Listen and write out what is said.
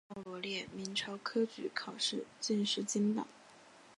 本列表依年号罗列明朝科举考试进士金榜。